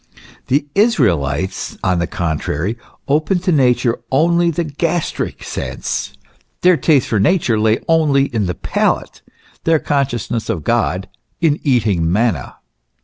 The Israelites, on the contrary, opened to Nature only the gastric sense ; their taste for Nature lay only in the palate ; their consciousness of God in eating manna.